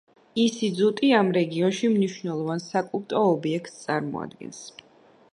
ისიძუტი ამ რეგიონში მნიშვნელოვან საკულტო ობიექტს წარმოადგენს.